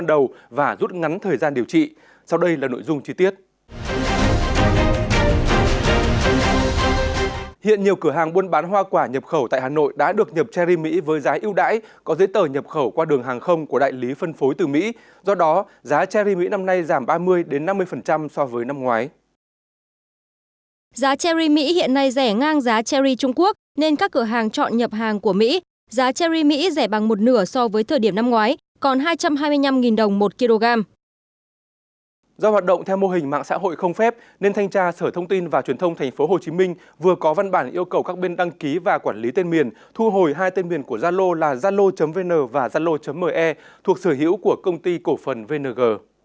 do hoạt động theo mô hình mạng xã hội không phép nên thanh tra sở thông tin và truyền thông tp hcm vừa có văn bản yêu cầu các bên đăng ký và quản lý tên miền thu hồi hai tên miền của zalo là zalo vn và zalo me thuộc sở hữu của công ty cổ phần vng